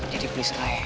jadi please rai